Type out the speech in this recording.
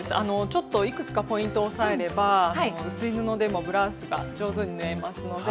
ちょっといくつかポイントを押さえれば薄い布でもブラウスが上手に縫えますので。